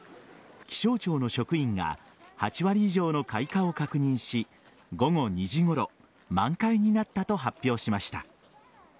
気象庁の職員が８割以上の開花を確認し午後２時ごろ満開になったと発表しました。